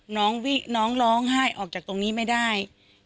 น้องร้องไห้ออกจากตรงนี้ไม่ได้